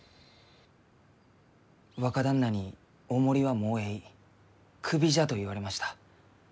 若旦那に「お守りはもうえいクビじゃ」と言われました。